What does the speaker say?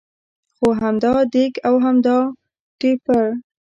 خو همدا دېګ او همدا ټېپر.